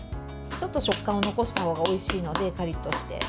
ちょっと食感を残した方がおいしいので、カリッとして。